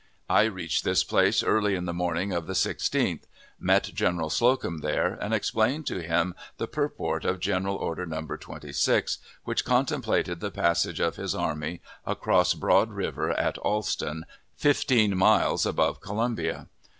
I reached this place early in the morning of the 16th, met General Slocum there; and explained to him the purport of General Order No. 26, which contemplated the passage of his army across Broad River at Alston, fifteen miles above Columbia.